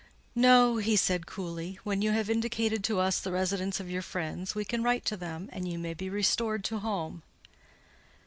"No," he said coolly: "when you have indicated to us the residence of your friends, we can write to them, and you may be restored to home."